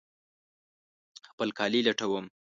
خپل کالي لټوم